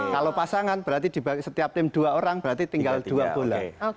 kalau pasangan berarti di setiap tim dua orang berarti tinggal dua bola